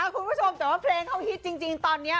ขอพูดให้ชอบแต่เพลงเข้าฮิตจริงตอนนี้